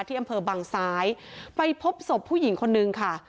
ที่อำเภอบังซ้ายไปพบศพผู้หญิงคนนึงค่ะ